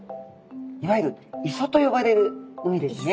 いわゆる磯と呼ばれる海ですね。